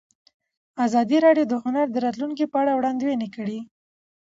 ازادي راډیو د هنر د راتلونکې په اړه وړاندوینې کړې.